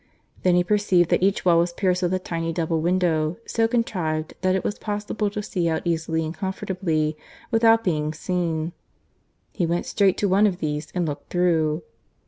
Then he perceived that each wall was pierced with a tiny double window, so contrived that it was possible to see out easily and comfortably without being seen. He went straight to one of these and looked through.